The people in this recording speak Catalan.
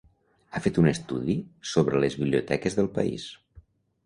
Ha fet un estudi sobre les biblioteques del país.